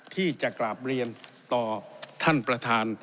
ที่จะกราบเรียนต่อท่านประธาน